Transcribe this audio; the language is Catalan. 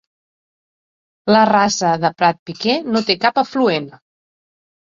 La Rasa de Prat Piquer no té cap afluent.